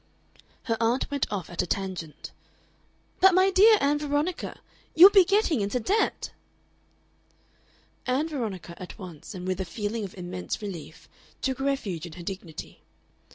Her aunt went off at a tangent. "But my dear Ann Veronica, you will be getting into debt!" Ann Veronica at once, and with a feeling of immense relief, took refuge in her dignity.